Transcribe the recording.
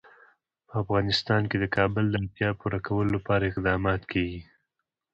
په افغانستان کې د کابل د اړتیاوو پوره کولو لپاره اقدامات کېږي.